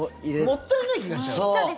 もったいない気がしちゃう。